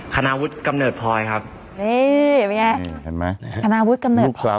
ธนาวุฒิกำเนิดพลอยครับนี่เป็นไงเห็นไหมคณาวุฒิกำเนิดพลอย